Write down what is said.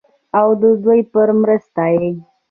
او ددوي پۀ مرسته ئې